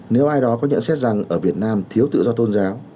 nếu ai đó có nhận xét rằng ở việt nam thiếu tự do tôn giáo